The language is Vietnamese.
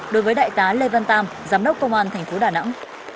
đối với đại tá lê văn tam giám đốc công an thành phố đà nẵng